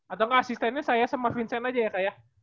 atau asistennya saya sama vincent aja ya kak ya